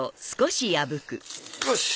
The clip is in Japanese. よし！